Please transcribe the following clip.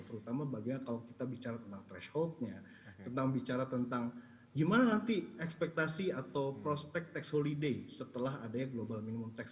terutama bagaimana kalau kita bicara tentang thresholdnya tentang bicara tentang gimana nanti ekspektasi atau prospek tax holiday setelah adanya global minimum tax